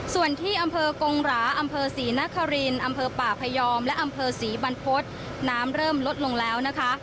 ส่วนที่อำเภอกงหราอำเภอศรีนครินอำเภอป่าพยอมและอำเภอศรีบรรพฤษน้ำเริ่มลดลงแล้วนะคะ